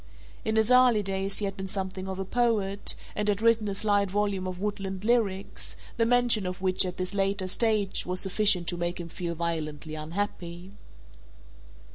In his early days he had been something of a poet, and had written a slight volume of "Woodland Lyrics," the mention of which at this later stage was sufficient to make him feel violently unhappy.